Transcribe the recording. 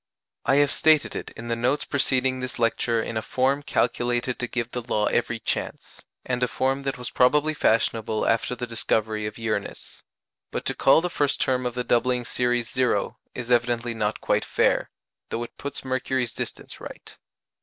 I have stated it in the notes above in a form calculated to give the law every chance, and a form that was probably fashionable after the discovery of Uranus; but to call the first term of the doubling series 0 is evidently not quite fair, though it puts Mercury's distance right.